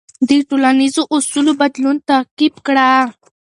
د ټولنیزو اصولو بدلون تعقیب کړه.